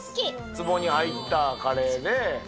つぼに入ったカレーね。